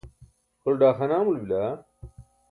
kʰole daaxaana amulo bila?